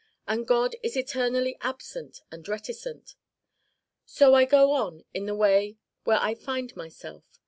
And God is eternally absent and reticent. So I go on in the way where I find myself.